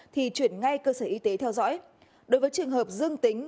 thì chuyển ngay cơ sở y tế theo dõi đối với trường hợp dương tính